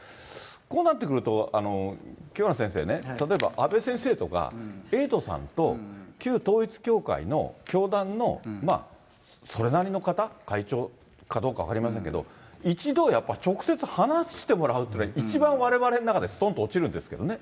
こうなってくると、清原先生ね、例えば阿部先生とかエイトさんと、旧統一教会の教団のそれなりの方、会長かどうか分かりませんけれども、一度、やっぱり直接話してもらうというのが、一番われわれの中ですとんと落ちるんですけどね。